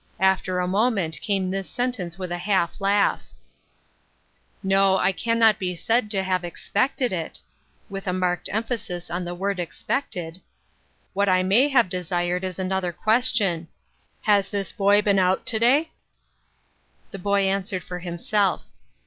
After a moment came this sentence with a half laugh :—" No, I cannot be said to have expected it " (with a marked emphasis on the word "expected"). " What I may have desired is another question. Has this boy been out to day ?" The boy answered for himself.